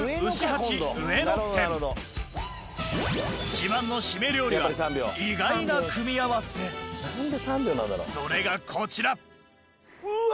自慢のシメ料理は意外な組み合わせそれがこちらうわ！